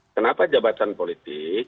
kenapa jabatan politik